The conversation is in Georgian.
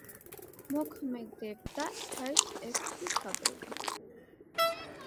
მოქმედებდა ჩაის ექვსი ფაბრიკა.